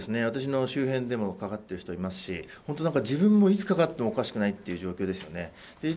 私の周辺でもかかっている人がいますし自分も、いつかかってもおかしくないですね。